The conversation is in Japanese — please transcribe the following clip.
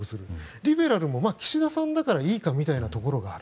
リベラルも岸田さんだからいいかみたいなところがある。